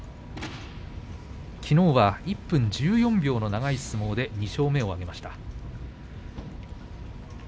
きのうは１分１４秒の長い相撲で２勝目を挙げました。